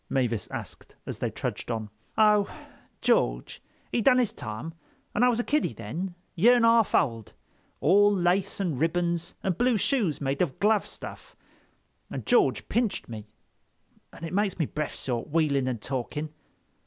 Mavis asked as they trudged on. "Oh, George—he done his time, and I was a kiddy then, year and a half old, all lace and ribbons and blue shoes made of glove stuff, and George pinched me, and it makes me breff short, wheeling and talking."